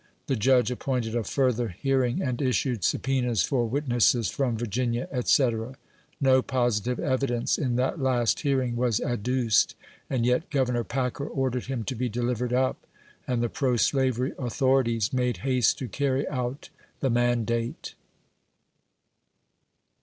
The Judge appointed a further hearing, and issued subpoenas for witnesses from Virginia, &c. No positive evidence in that last hearing was adduced, and yet Governor Packer ordered him to be delivered up; and the pro slavery authorities made haste to carry out the mandate.